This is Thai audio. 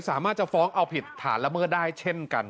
สามารถจะฟ้องเอาผิดฐานละเมิดได้เช่นกัน